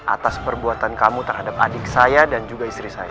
atas perbuatan kamu terhadap adik saya dan juga istri saya